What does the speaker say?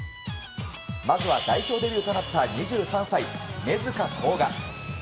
まずは代表デビューとなった２３歳根塚洸雅。